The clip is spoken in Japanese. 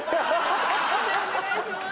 判定お願いします。